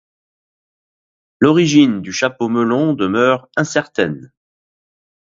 L'origine du chapeau melon demeure incertaine.